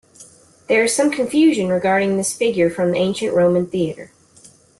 There is some confusion regarding this figure from ancient Roman theater.